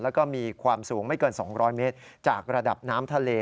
แล้วก็มีความสูงไม่เกิน๒๐๐เมตรจากระดับน้ำทะเล